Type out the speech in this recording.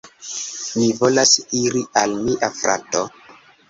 Mi volas iri al mia frato.